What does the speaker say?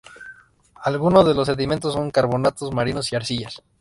Algunos de los sedimentos son carbonatos marinos y arcillas.